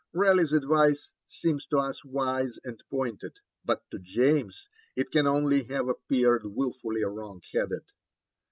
Raleigh's advice seems to us wise and pointed, but to James it can only have appeared wilfully wrong headed.